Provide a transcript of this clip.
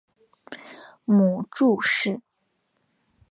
母祝氏。